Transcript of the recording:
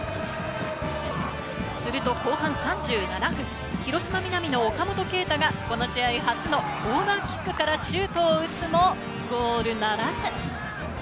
すると後半３７分、広島皆実の岡本敬大がこの試合、初のコーナーキックからシュートを打つもゴールならず。